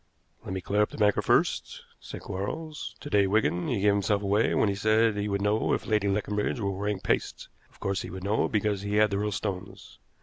"Let me clear up the banker first," said Quarles. "To day, Wigan, he gave himself away when he said he would know if Lady Leconbridge were wearing paste. Of course he would know, because he had the real stones.